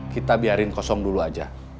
kita biarin kosong dulu aja